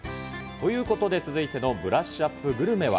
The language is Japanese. ということで、続いてのブラッシュアップグルメは。